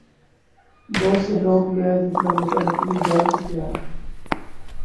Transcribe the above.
بہت سے لوگ محض اپنا وطن اپنی جان سے پیا را